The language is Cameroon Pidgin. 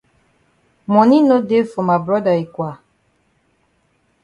Moni no dey for ma broda yi kwa.